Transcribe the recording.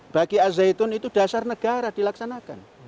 bagi al zaitun itu dasar negara dilaksanakan